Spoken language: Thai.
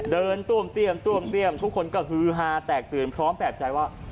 เดินต้วมเตี้ยมทุกคนก็ฮือฮาแตกตื่นพร้อมแปบใจว่า